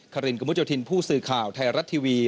คารินกุมูจาวทินผู้สื่อข่าวไทยรัฐทีวี